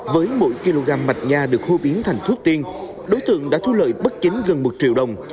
với mỗi kg mạch nha được hô biến thành thuốc tiên đối tượng đã thu lợi bất chính gần một triệu đồng